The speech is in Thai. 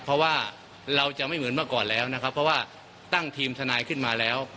เพราะว่าเราจะไม่เหมือนเมื่อก่อนแล้วนะครับเพราะว่าตั้งทีมทนายขึ้นมาแล้ว